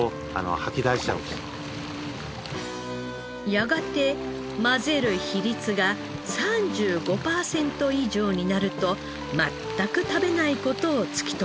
やがて混ぜる比率が３５パーセント以上になると全く食べない事を突き止めます。